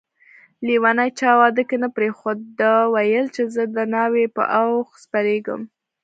لیونی چا واده کی نه پریښود ده ويل چي زه دناوی په اوښ سپریږم